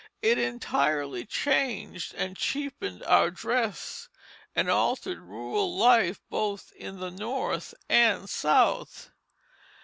It entirely changed and cheapened our dress, and altered rural life both in the North and South.